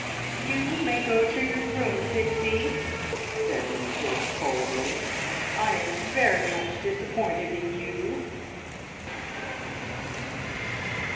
"You may go to your room, Pixie," said Miss Phipps coldly. "I am very much disappointed in you!"